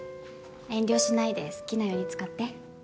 遠慮しないで好きなように使って